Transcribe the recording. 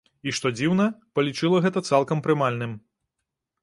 І, што дзіўна, палічыла гэта цалкам прымальным.